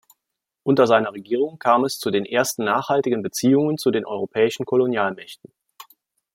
Unter seiner Regierung kam es zu den ersten nachhaltigen Beziehungen zu den europäischen Kolonialmächten.